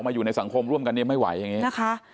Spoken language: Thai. อยู่ในสังคมร่วมกันเนี่ยไม่ไหวอย่างนี้นะคะ